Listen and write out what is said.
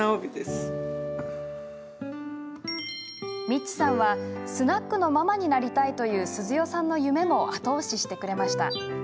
道さんはスナックのママになりたいという鈴代さんの夢も後押ししてくれました。